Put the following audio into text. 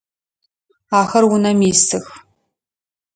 Ахэр унэм исых.